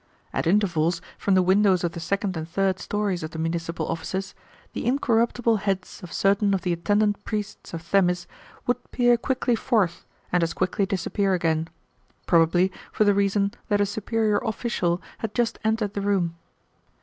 At intervals, from the windows of the second and third stories of the municipal offices, the incorruptible heads of certain of the attendant priests of Themis would peer quickly forth, and as quickly disappear again probably for the reason that a superior official had just entered the room.